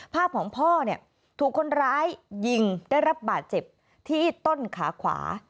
ภาพของพ่อเนี่ยถูกคนร้ายยิงได้รับบาดเจ็บที่ต้นขาขวา